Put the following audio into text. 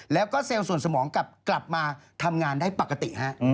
แล้วก็เซลล์ส่วนสมองกลับมาทำงานได้ปกติฮะ